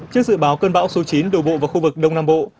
trước dự báo cơn bão số chín đổ bộ vào khu vực đông nam bộ